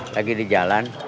lagi di jalan